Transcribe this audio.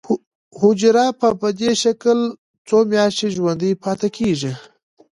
حجره په دې شکل څو میاشتې ژوندی پاتې کیږي.